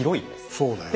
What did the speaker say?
そうだよね。